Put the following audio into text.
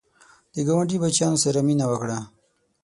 د ګاونډي بچیانو سره مینه وکړه